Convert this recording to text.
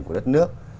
của đất nước